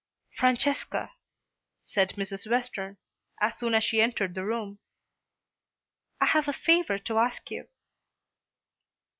"Francesca," said Mrs. Western, as soon as she entered the room, "I have a favour to ask you."